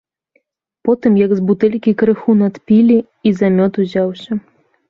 Потым, як з бутэлькі крыху надпілі, і за мёд узяўся.